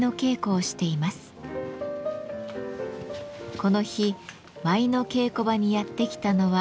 この日舞の稽古場にやって来たのは２人の舞妓。